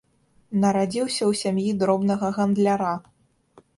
Нарадзіўся ў сям'і дробнага гандляра.